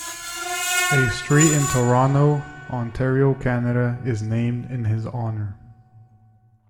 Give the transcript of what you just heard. A street in Toronto, Ontario, Canada, is named in his honour.